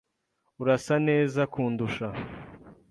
Urasa neza kundusha.